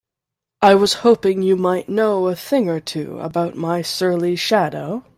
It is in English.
I was hoping you might know a thing or two about my surly shadow?